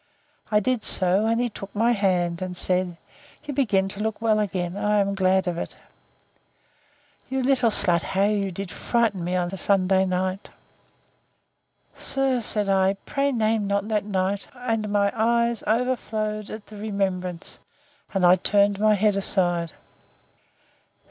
I did so, and he took my hand, and said, You begin to look well again: I am glad of it. You little slut, how did you frighten me on Sunday night. Sir, said I, pray name not that night; and my eyes overflowed at the remembrance, and I turned my head aside.